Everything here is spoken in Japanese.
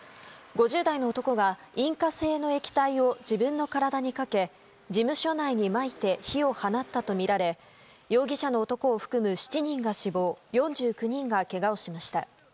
５０代の男が引火性の液体を自分の体にかけ事務所内にまいて火を放ったとみられ容疑者の男を含む７人が死亡４９人がけがをしました。